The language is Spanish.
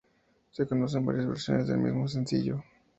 Se conocen varias versiones del mismo sencillo.